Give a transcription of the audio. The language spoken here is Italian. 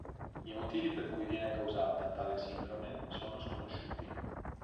I motivi per cui viene causata tale sindrome sono sconosciuti.